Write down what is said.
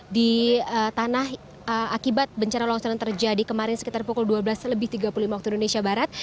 di tanah akibat bencana longsor yang terjadi kemarin sekitar pukul dua belas lebih tiga puluh lima waktu indonesia barat